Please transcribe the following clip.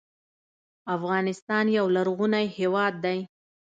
افغانستان یو لرغونی هېواد دی